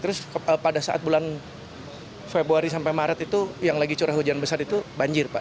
terus pada saat bulan februari sampai maret itu yang lagi curah hujan besar itu banjir pak